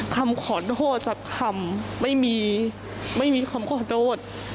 คำขอโทษสักคำไม่มีไม่มีคำขอโทษ